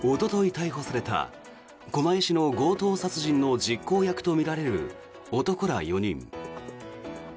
逮捕された狛江市の強盗殺人の実行役とみられる男ら４人。